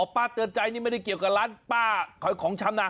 ป้าเตือนใจนี่ไม่ได้เกี่ยวกับร้านป้าขายของชำนะ